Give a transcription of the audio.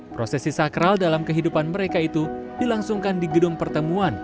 proses sisa keral dalam kehidupan mereka itu dilangsungkan di gedung pertemuan